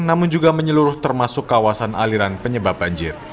namun juga menyeluruh termasuk kawasan aliran penyebab banjir